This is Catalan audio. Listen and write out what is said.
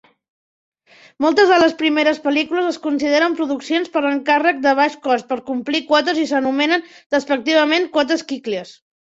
Moltes de les seves primeres pel·lícules es consideren produccions per encàrrec de baix cost per complir quotes i s'anomenen despectivament "quotes quickies".